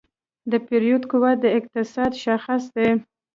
د پیرود قوت د اقتصاد شاخص دی.